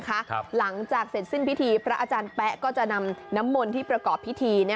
ในการรับชมด้วยนะคะหลังจากเสร็จสิ้นพิธีพระอาจารย์แป๊ะก็จะนำน้ำมนที่ประกอบพิธี